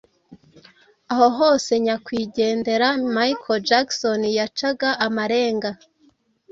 Aho hose nyakwigendera Michael Jackson yacaga amarenga